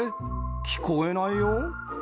聞こえないよ？